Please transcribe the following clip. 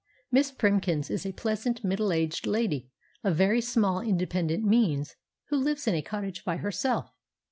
Miss Primkins is a pleasant middle aged lady, of very small independent means, who lives in a cottage by herself.